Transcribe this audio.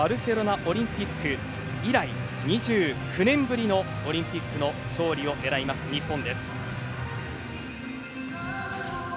オリンピック以来２９年ぶりのオリンピックの勝利を狙います、日本です。